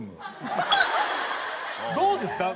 どうですか？